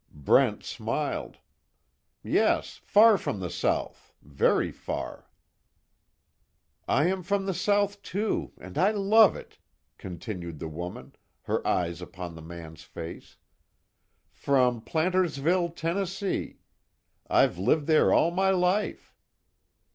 Brent smiled. "Yes, far from the South very far." "I am from the South, too, and I love it," continued the woman, her eyes upon the man's face. "From Plantersville, Tennessee I've lived there all my life."